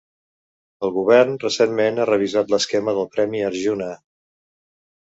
El govern recentment ha revisat l'esquema del Premi Arjuna.